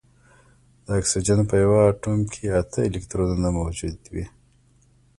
د اکسیجن په یوه اتوم کې اته الکترونونه موجود وي